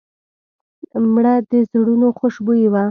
مړه د زړونو خوشبويي وه